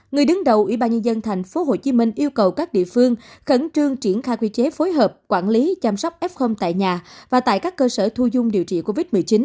người đứng đầu ủy ban nhân dân thành phố hồ chí minh yêu cầu các địa phương khẩn trương triển khai quy chế phối hợp quản lý chăm sóc f tại nhà và tại các cơ sở thu dung điều trị covid một mươi chín